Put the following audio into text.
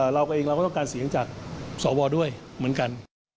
เราก็ต้องการเสียงจากสอบบอลด้วยเหมือนกัน